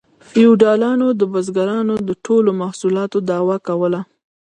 فیوډالانو د بزګرانو د ټولو محصولاتو دعوه کوله